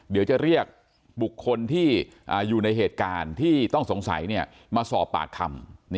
เดี๋ยวจะเรียกบุคคลที่อยู่ในเหตุการณ์ที่ต้องสงสัยมาสอบปากคำ